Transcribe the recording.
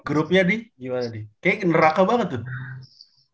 grupnya di gimana di kayaknya neraka banget tuh